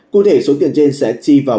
cụ thể số tiền trên sẽ chi vào